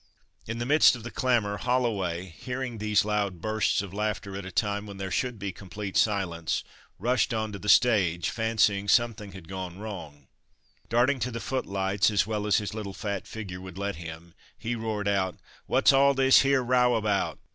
In the midst of the clamour, Holloway, hearing these loud bursts of laughter at a time when there should be complete silence, rushed on to the stage, fancying something had gone wrong. Darting to the footlights, as well as his little fat figure would let him, he roared out, "What's all this here row about?"